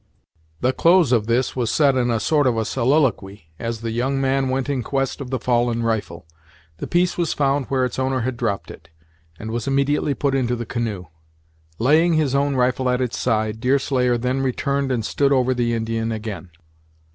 The close of this was said in a sort of a soliloquy, as the young man went in quest of the fallen rifle. The piece was found where its owner had dropped it, and was immediately put into the canoe. Laying his own rifle at its side, Deerslayer then returned and stood over the Indian again.